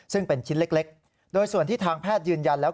ซึ่งเป็นชิ้นเล็กโดยส่วนที่ทางแพทย์ยืนยันแล้ว